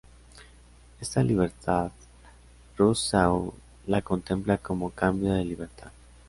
Esta libertad Rousseau la contempla como cambio de libertad.